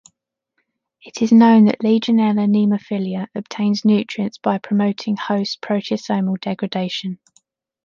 It is known that "Legionella pneumophila" obtains nutrients by promoting host proteasomal degradation.